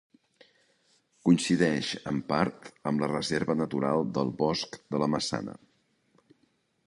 Coincideix en part amb la Reserva Natural del Bosc de la Maçana.